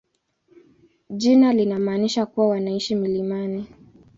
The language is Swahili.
Jina linamaanisha kuwa wanaishi milimani.